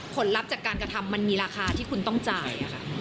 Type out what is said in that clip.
ผลลัพธ์จากการกระทำมันมีราคาที่คุณต้องจ่าย